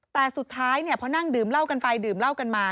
แต่สุดท้ายเนี่ยพอนั่งดื่มเหล้ากันไปดื่มเหล้ากันมา